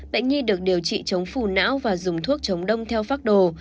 bệnh nhi được điều trị chống phù não và dùng thuốc chống đông theo phác đồ